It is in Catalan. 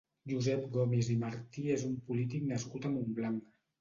Josep Gomis i Martí és un polític nascut a Montblanc.